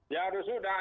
ya harus sudah